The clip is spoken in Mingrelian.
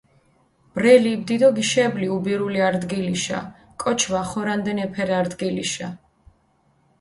ბრელი იბდი დო გიშებლი უბირული არდგილიშა, კოჩი ვახორანდჷნ ეფერ არდგილიშა.